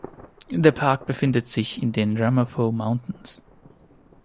Der Park befindet sich in den Ramapo Mountains.